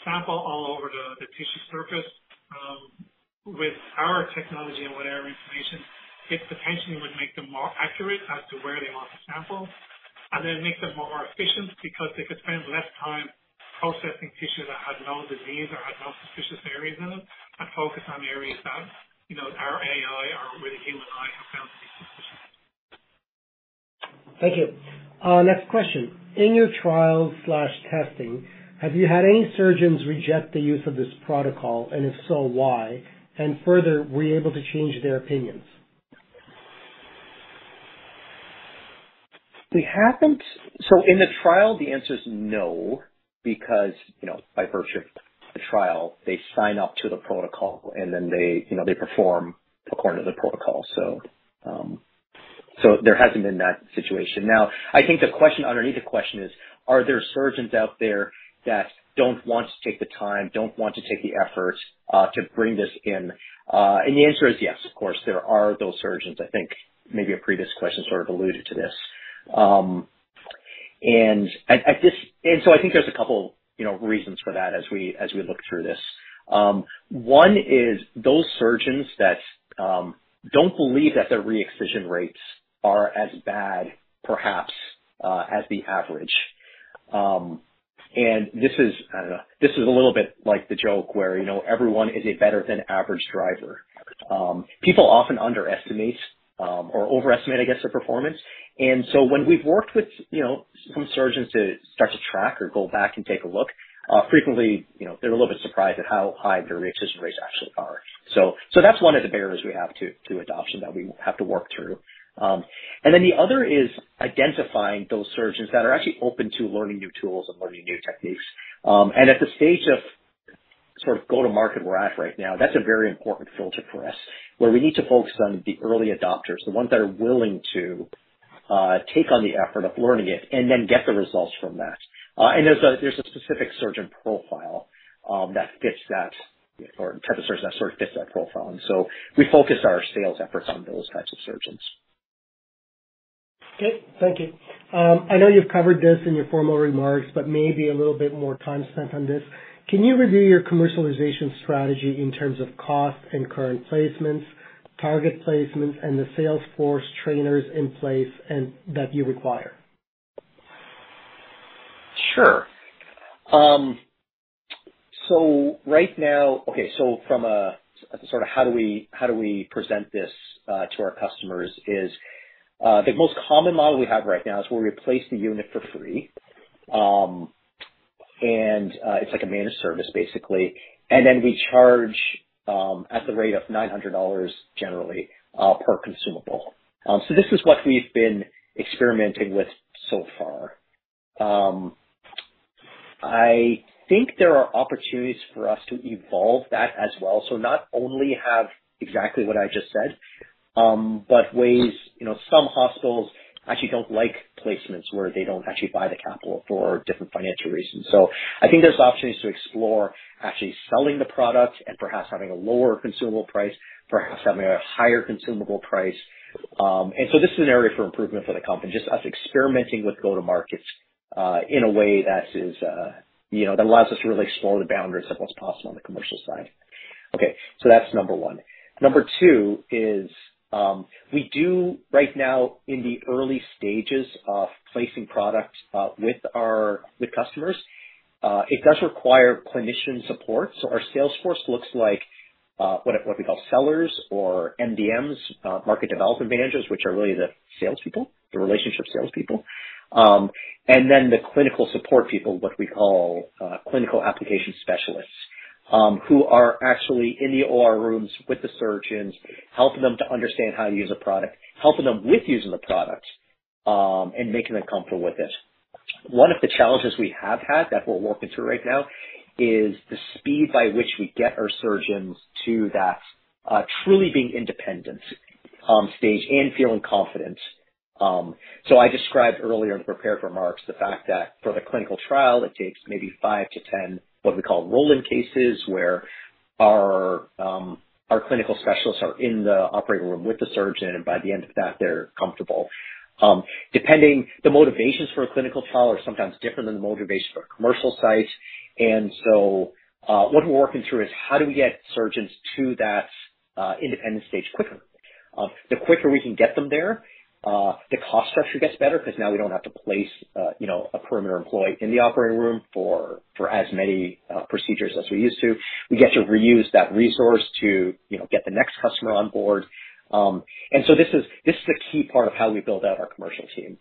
[SPEAKER 4] sample all over the tissue surface. With our technology and with our information it potentially would make them more accurate as to where they want to sample, and then it makes them more efficient because they could spend less time processing tissue that had no disease or had no suspicious areas in it, and focus on areas that, you know, our AI or with a human eye have found to be suspicious.
[SPEAKER 2] Thank you. Next question: In your trial/testing, have you had any surgeons reject the use of this protocol, and if so, why? And further, were you able to change their opinions?
[SPEAKER 3] So in the trial, the answer is no, because, you know, by virtue of the trial, they sign up to the protocol, and then they, you know, they perform according to the protocol. So, so there hasn't been that situation. Now, I think the question underneath the question is, are there surgeons out there that don't want to take the time, don't want to take the effort, to bring this in? And the answer is yes, of course, there are those surgeons. I think maybe a previous question sort of alluded to this. And so I think there's a couple, you know, reasons for that as we, as we look through this. One is those surgeons that, don't believe that their re-excision rates are as bad, perhaps, as the average. And this is, I don't know, this is a little bit like the joke where, you know, everyone is a better than average driver. People often underestimate, or overestimate, I guess, their performance. And so when we've worked with, you know, some surgeons to start to track or go back and take a look, frequently, you know, they're a little bit surprised at how high their re-excision rates actually are. So, so that's one of the barriers we have to, to adoption that we have to work through. And then the other is identifying those surgeons that are actually open to learning new tools and learning new techniques. And at the stage of sort of go-to-market we're at right now, that's a very important filter for us, where we need to focus on the early adopters, the ones that are willing to take on the effort of learning it and then get the results from that. And there's a specific surgeon profile that fits that or type of surgeon that sort of fits that profile. And so we focus our sales efforts on those types of surgeons.
[SPEAKER 2] Okay, thank you. I know you've covered this in your formal remarks, but maybe a little bit more time spent on this. Can you review your commercialization strategy in terms of cost and current placements, target placements and the sales force trainers in place and that you require?
[SPEAKER 3] Sure. So right now, from a sort of how do we present this to our customers is, the most common model we have right now is we'll replace the unit for free. And, it's like a managed service, basically. And then we charge at the rate of $900 generally per consumable. So this is what we've been experimenting with so far. I think there are opportunities for us to evolve that as well. So not only have exactly what I just said, but ways, you know, some hospitals actually don't like placements where they don't actually buy the capital for different financial reasons. So I think there's opportunities to explore actually selling the product and perhaps having a lower consumable price, perhaps having a higher consumable price. This is an area for improvement for the company, just us experimenting with go-to-market in a way that is, you know, that allows us to really explore the boundaries of what's possible on the commercial side. Okay, so that's number one. Number two is, we do right now in the early stages of placing product with our customers. It does require clinician support. So our sales force looks like what we call sellers or MDMs, market development managers, which are really the salespeople, the relationship salespeople. And then the clinical support people, what we call clinical application specialists, who are actually in the OR rooms with the surgeons, helping them to understand how to use a product, helping them with using the product, and making them comfortable with it. One of the challenges we have had that we're working through right now is the speed by which we get our surgeons to that truly being independent stage and feeling confident. So I described earlier in the prepared remarks the fact that for the clinical trial, it takes maybe 5-10, what we call roll-in cases, where our clinical specialists are in the operating room with the surgeon, and by the end of that, they're comfortable. Depending, the motivations for a clinical trial are sometimes different than the motivations for a commercial site. And so, what we're working through is how do we get surgeons to that independent stage quicker? The quicker we can get them there, the cost structure gets better because now we don't have to place, you know, a permanent employee in the operating room for, for as many procedures as we used to. We get to reuse that resource to, you know, get the next customer on board. And so this is, this is a key part of how we build out our commercial team.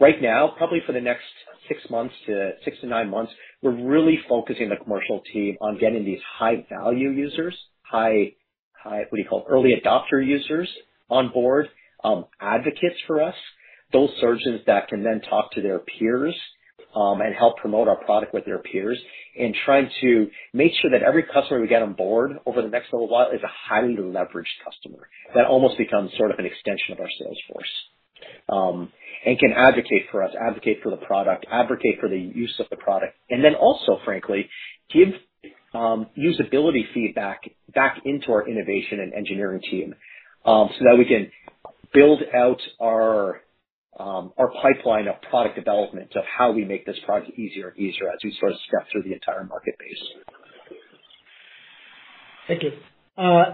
[SPEAKER 3] Right now, probably for the next 6 months to 6 to 9 months, we're really focusing the commercial team on getting these high-value users, high, high, what do you call it? Early adopter users on board, advocates for us, those surgeons that can then talk to their peers, and help promote our product with their peers, and trying to make sure that every customer we get on board over the next little while is a highly leveraged customer, that almost becomes sort of an extension of our sales force, and can advocate for us, advocate for the product, advocate for the use of the product, and then also, frankly, give, usability feedback back into our innovation and engineering team, so that we can build out our, our pipeline of product development, of how we make this product easier and easier as we sort of scrap through the entire market base....
[SPEAKER 2] Thank you.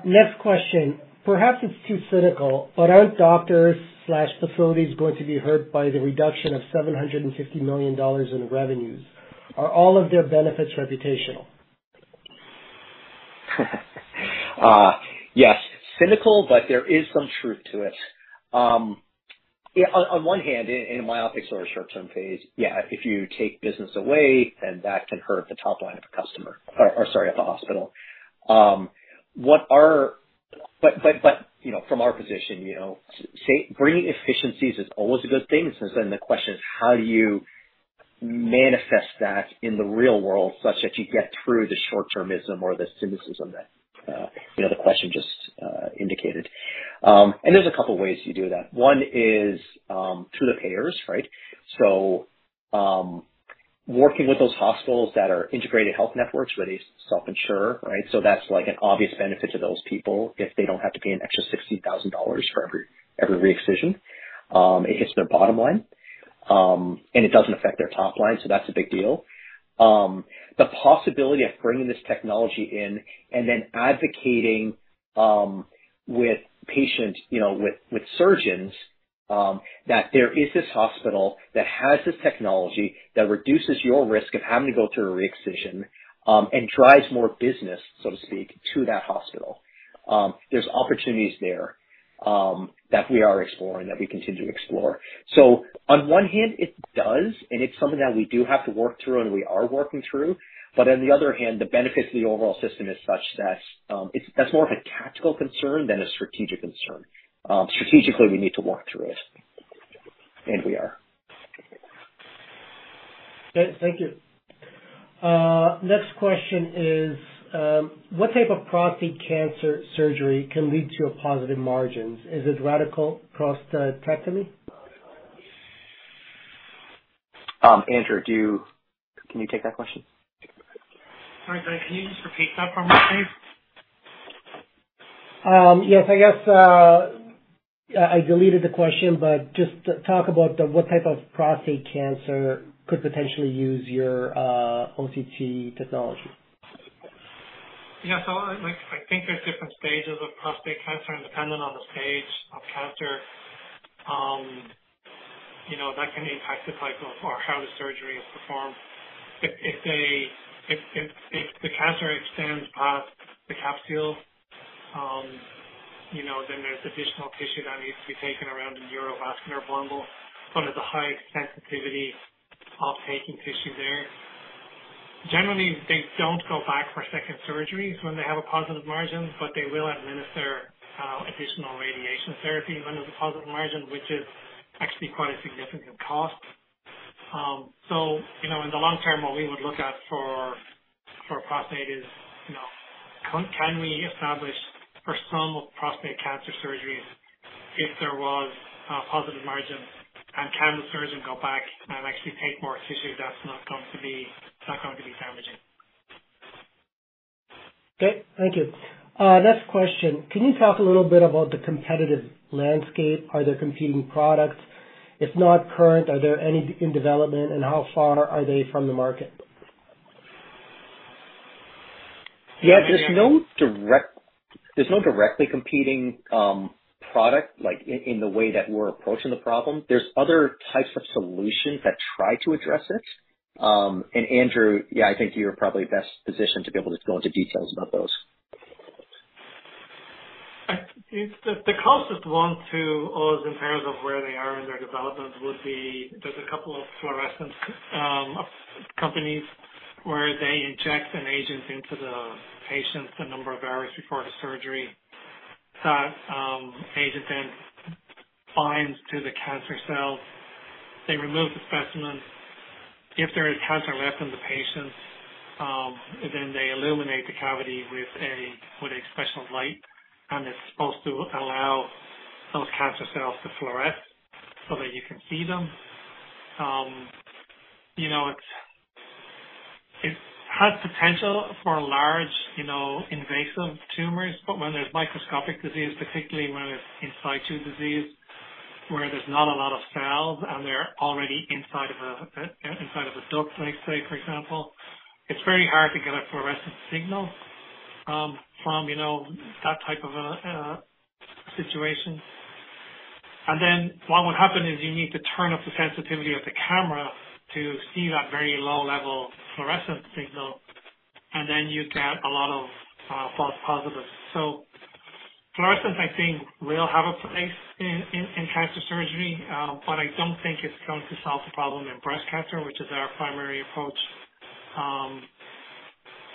[SPEAKER 2] Next question. Perhaps it's too cynical, but aren't doctors and facilities going to be hurt by the reduction of $750 million in revenues? Are all of their benefits reputational?
[SPEAKER 3] Yes. Cynical, but there is some truth to it. On one hand, in a myopic or a short-term phase, if you take business away, then that can hurt the top line of the customer or sorry, at the hospital. But you know, from our position, you know, bringing efficiencies is always a good thing. So then the question is: how do you manifest that in the real world, such that you get through the short-termism or the cynicism that you know, the question just indicated? And there's a couple ways you do that. One is through the payers, right? So, working with those hospitals that are integrated health networks, where they self-insure, right? So that's, like, an obvious benefit to those people if they don't have to pay an extra $60,000 for every re-excision. It hits their bottom line, and it doesn't affect their top line, so that's a big deal. The possibility of bringing this technology in and then advocating, with patients, you know, with, with surgeons, that there is this hospital that has this technology, that reduces your risk of having to go through a re-excision, and drives more business, so to speak, to that hospital. There's opportunities there, that we are exploring, that we continue to explore. So on one hand, it does, and it's something that we do have to work through, and we are working through. But on the other hand, the benefit to the overall system is such that, it's... That's more of a tactical concern than a strategic concern. Strategically, we need to work through it, and we are.
[SPEAKER 2] Good. Thank you. Next question is: What type of prostate cancer surgery can lead to a positive margins? Is it radical prostatectomy?
[SPEAKER 3] Andrew, do you... Can you take that question?
[SPEAKER 4] Sorry, can you just repeat that for me, please?
[SPEAKER 2] Yes, I guess I deleted the question, but just talk about what type of prostate cancer could potentially use your OCT technology.
[SPEAKER 4] Yeah. So I think there's different stages of prostate cancer and depending on the stage of cancer, you know, that can impact the type of or how the surgery is performed. If the cancer extends past the capsule, you know, then there's additional tissue that needs to be taken around the neurovascular bundle, but at the high sensitivity of taking tissue there. Generally, they don't go back for second surgeries when they have a positive margin, but they will administer additional radiation therapy when there's a positive margin, which is actually quite a significant cost. So, you know, in the long term, what we would look at for prostate is, you know, can we establish for some prostate cancer surgeries if there was a positive margin, and can the surgeon go back and actually take more tissue that's not going to be damaging?
[SPEAKER 2] Okay, thank you. Next question: Can you talk a little bit about the competitive landscape? Are there competing products? If not current, are there any in development, and how far are they from the market?
[SPEAKER 3] Yeah. There's no directly competing product, like, in, in the way that we're approaching the problem. There's other types of solutions that try to address it. And Andrew, yeah, I think you're probably best positioned to be able to go into details about those.
[SPEAKER 4] The closest one to us in terms of where they are in their development would be, there's a couple of fluorescence companies, where they inject an agent into the patients a number of hours before the surgery. That agent then binds to the cancer cells. They remove the specimen. If there is cancer left in the patients, then they illuminate the cavity with a special light, and it's supposed to allow those cancer cells to fluoresce so that you can see them. You know, it's, it has potential for large, you know, invasive tumors, but when there's microscopic disease, particularly when it's in situ disease, where there's not a lot of cells and they're already inside of a duct, let's say, for example, it's very hard to get a fluorescent signal from, you know, that type of a situation. And then what would happen is you need to turn up the sensitivity of the camera to see that very low-level fluorescent signal, and then you get a lot of false positives. So fluorescence, I think, will have a place in cancer surgery, but I don't think it's going to solve the problem in breast cancer, which is our primary approach.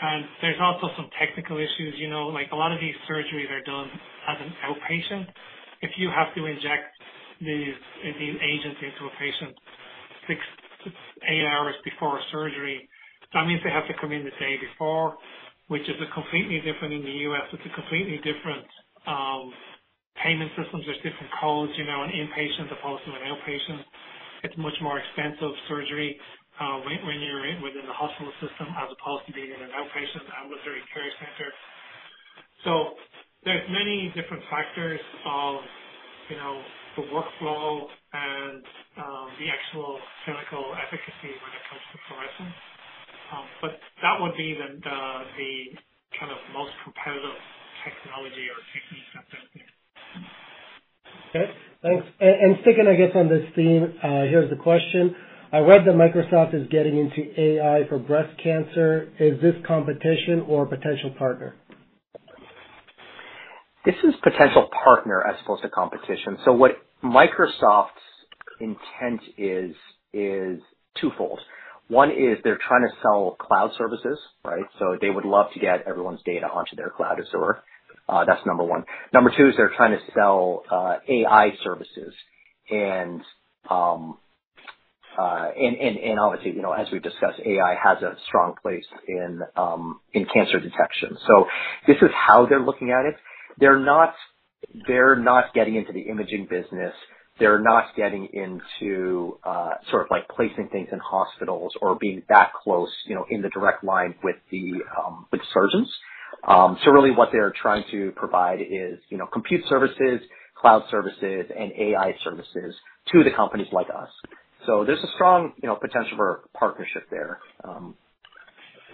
[SPEAKER 4] And there's also some technical issues, you know, like a lot of these surgeries are done as an outpatient. If you have to inject these, the agents into a patient 6, 8 hours before a surgery, that means they have to come in the day before, which is a completely different in the U.S., it's a completely different, payment system. There's different codes, you know, an inpatient as opposed to an outpatient. It's much more expensive surgery, when you're in within the hospital system as opposed to being in an outpatient ambulatory care center. So there's many different factors of, you know, the workflow and, the actual clinical efficacy when it comes to fluorescence. But that would be the kind of most competitive technology or technique out there.
[SPEAKER 2] Okay, thanks. And sticking, I guess, on this theme, here's the question: I read that Microsoft is getting into AI for breast cancer. Is this competition or potential partner?
[SPEAKER 3] This is potential partner as opposed to competition. So what Microsoft's intent is, is twofold. One is they're trying to sell cloud services, right? So they would love to get everyone's data onto their cloud Azure. That's number one. Number two is they're trying to sell AI services. And obviously, you know, as we've discussed, AI has a strong place in cancer detection. So this is how they're looking at it. They're not, they're not getting into the imaging business. They're not getting into sort of like placing things in hospitals or being that close, you know, in the direct line with the surgeons. So really what they're trying to provide is, you know, compute services, cloud services, and AI services to the companies like us. So there's a strong, you know, potential for partnership there,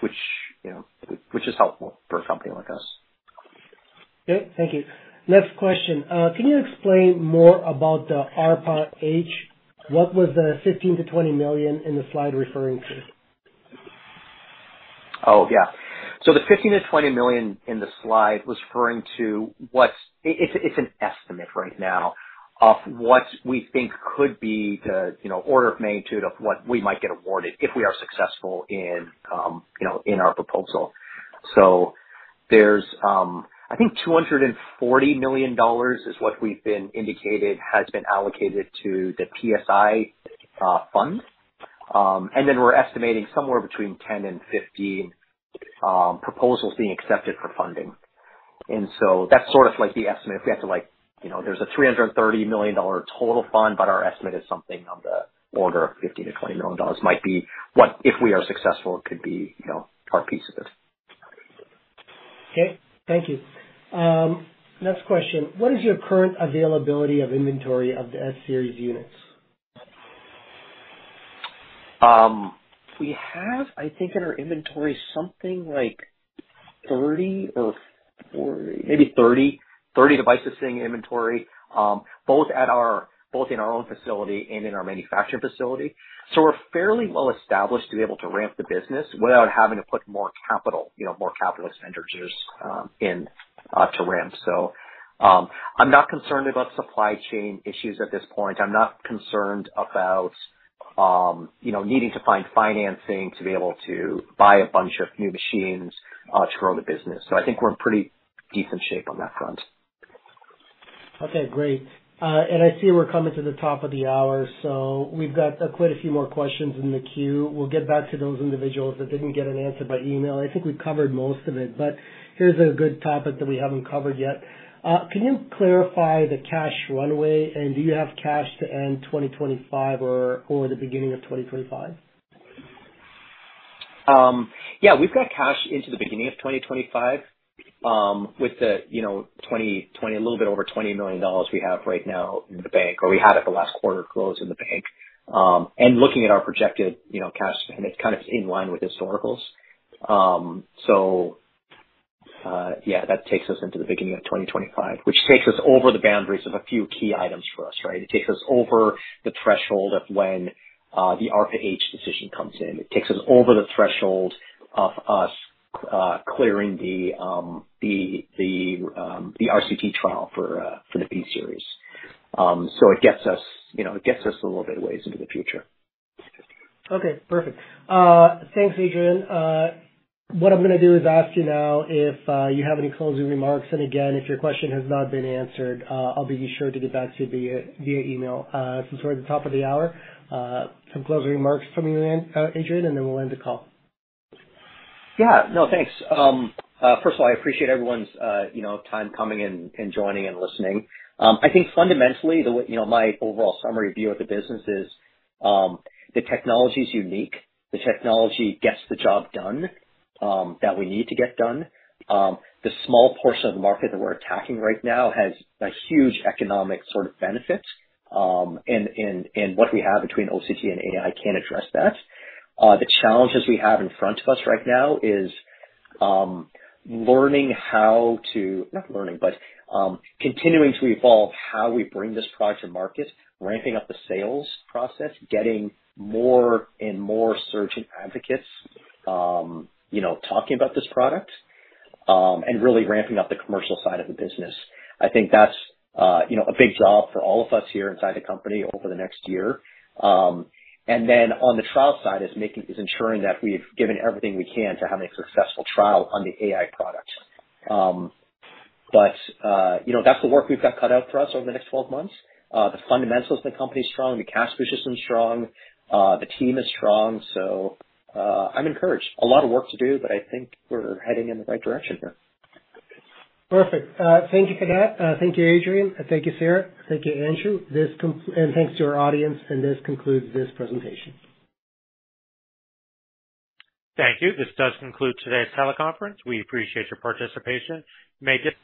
[SPEAKER 3] which, you know, which is helpful for a company like us.
[SPEAKER 2] Okay. Thank you. Next question. Can you explain more about the ARPA-H? What was the $15 million-$20 million in the slide referring to?
[SPEAKER 3] Oh, yeah. So the 15-20 million in the slide was referring to what's... It, it's an estimate right now of what we think could be the, you know, order of magnitude of what we might get awarded if we are successful in, you know, in our proposal. So there's, I think $240 million is what we've been indicated has been allocated to the PSI fund. And then we're estimating somewhere between 10-15 proposals being accepted for funding. And so that's sort of like the estimate. If we had to, like, you know, there's a $330 million total fund, but our estimate is something on the order of 15-20 million dollars might be what, if we are successful, could be, you know, our piece of it.
[SPEAKER 2] Okay, thank you. Next question: What is your current availability of inventory of the S-Series units?
[SPEAKER 3] We have, I think, in our inventory something like 30 or 40, maybe 30, 30 devices sitting inventory, both in our own facility and in our manufacturing facility. So we're fairly well established to be able to ramp the business without having to put more capital, you know, more capital expenditures, in to ramp. So, I'm not concerned about supply chain issues at this point. I'm not concerned about, you know, needing to find financing to be able to buy a bunch of new machines, to grow the business. So I think we're in pretty decent shape on that front.
[SPEAKER 2] Okay, great. I see we're coming to the top of the hour, so we've got, quite a few more questions in the queue. We'll get back to those individuals that didn't get an answer by email. I think we covered most of it, but here's a good topic that we haven't covered yet. Can you clarify the cash runway, and do you have cash to end 2025 or, or the beginning of 2025?
[SPEAKER 3] Yeah, we've got cash into the beginning of 2025, with the, you know, 2024, a little bit over $20 million we have right now in the bank, or we had at the last quarter close in the bank. And looking at our projected, you know, cash spend, it's kind of in line with historicals. So, yeah, that takes us into the beginning of 2025, which takes us over the boundaries of a few key items for us, right? It takes us over the threshold of when, the ARPA-H decision comes in. It takes us over the threshold of us clearing the RCT trial for the B-Series. So it gets us, you know, it gets us a little bit of ways into the future.
[SPEAKER 2] Okay, perfect. Thanks, Adrian. What I'm gonna do is ask you now if you have any closing remarks, and again, if your question has not been answered, I'll be sure to get back to you via email. Since we're at the top of the hour, some closing remarks from you, Adrian, and then we'll end the call.
[SPEAKER 3] Yeah. No, thanks. First of all, I appreciate everyone's, you know, time coming and joining and listening. I think fundamentally, the way... You know, my overall summary view of the business is, the technology's unique. The technology gets the job done, that we need to get done. The small portion of the market that we're attacking right now has a huge economic sort of benefit, and what we have between OCT and AI can address that. The challenges we have in front of us right now is, learning how to, not learning, but, continuing to evolve how we bring this product to market, ramping up the sales process, getting more and more surgeon advocates, you know, talking about this product, and really ramping up the commercial side of the business. I think that's, you know, a big job for all of us here inside the company over the next year. And then on the trial side, is ensuring that we've given everything we can to have a successful trial on the AI product. But, you know, that's the work we've got cut out for us over the next 12 months. The fundamentals of the company is strong, the cash position is strong, the team is strong, so, I'm encouraged. A lot of work to do, but I think we're heading in the right direction here.
[SPEAKER 2] Perfect. Thank you for that. Thank you, Adrian. Thank you, Sarah. Thank you, Andrew. Thanks to our audience, and this concludes this presentation.
[SPEAKER 4] Thank you. This does conclude today's teleconference. We appreciate your participation. You may dis-